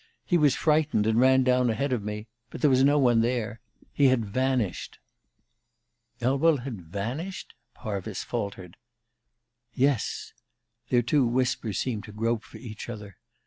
He was frightened, and ran down ahead of me; but there was no one there. He had vanished." "Elwell had vanished?" Parvis faltered. "Yes." Their two whispers seemed to grope for each other.